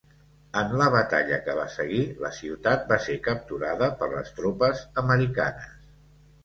En la batalla que va seguir, la ciutat va ser capturada per les tropes americanes.